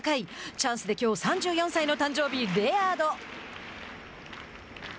チャンスできょう３４歳の誕生日レアード。